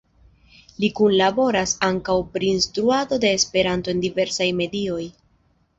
Ili kunlaboras ankaŭ pri instruado de Esperanto en diversaj medioj.